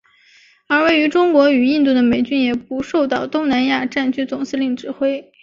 而位于中国与印度的美军也不受到东南亚战区总司令指挥。